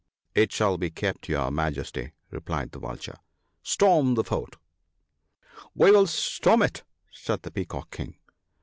" It shall be kept, your Majesty," replied the Vulture ;" storm the fort !"" We will storm it !" said the Peacock king.